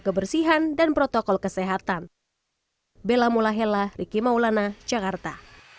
kebersihan dan protokol kesehatan bella mulahela riki maulana jakarta